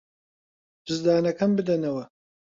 جزدانەکەم بدەنەوە.